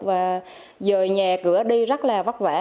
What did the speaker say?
và dời nhà cửa đi rất là vất vả